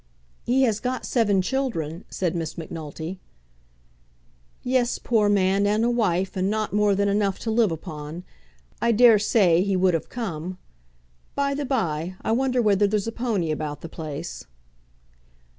"He has got seven children," said Miss Macnulty. "Yes, poor man, and a wife, and not more than enough to live upon. I daresay he would have come. By the bye, I wonder whether there's a pony about the place."